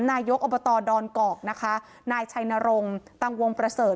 นายกอบตดอนกอกนะคะนายชัยนรงตังวงประเสริฐ